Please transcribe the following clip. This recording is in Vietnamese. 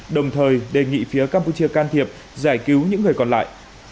đồng thời đề nghị phía campuchia can thiệp giải cứu những người còn lại